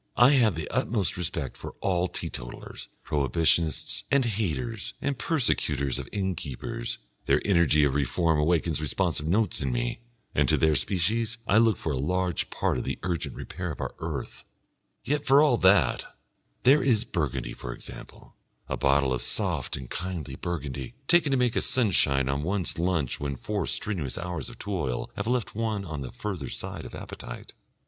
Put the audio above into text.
I have the utmost respect for all Teetotalers, Prohibitionists, and Haters and Persecutors of Innkeepers, their energy of reform awakens responsive notes in me, and to their species I look for a large part of the urgent repair of our earth; yet for all that There is Burgundy, for example, a bottle of soft and kindly Burgundy, taken to make a sunshine on one's lunch when four strenuous hours of toil have left one on the further side of appetite.